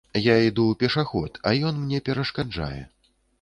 Я іду пешаход, а ён мне перашкаджае.